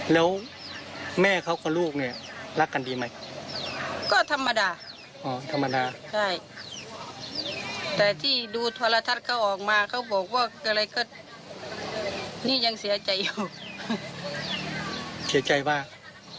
และพ่อเอิ้นว่าถ้ายังเสียใจมาก